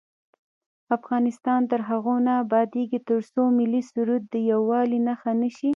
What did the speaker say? افغانستان تر هغو نه ابادیږي، ترڅو ملي سرود د یووالي نښه نشي.